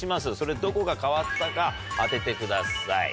どこが変わったか当ててください。